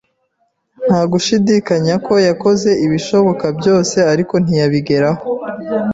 Nta gushidikanya ko yakoze ibishoboka byose, ariko ntiyabigeraho.